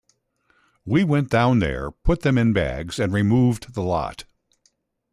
We went down there, put them in bags and removed the lot.